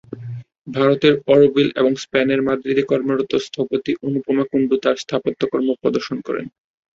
ভারতের অরোভিল এবং স্পেনের মাদ্রিদে কর্মরত স্থপতি অনুপমা কুন্ডু তাঁর স্থাপত্যকর্ম প্রদর্শন করেন।